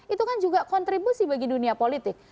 itu kan juga kontribusi bagi dunia politik